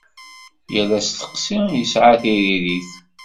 Yal asteqsi yesɛa tiririt.